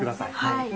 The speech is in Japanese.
はい。